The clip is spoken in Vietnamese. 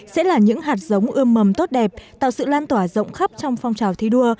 sẽ là những hạt giống ươm mầm tốt đẹp tạo sự lan tỏa rộng khắp trong phong trào thi đua